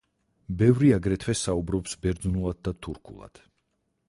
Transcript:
ბევრი აგრეთვე საუბრობს ბერძნულად და თურქულად.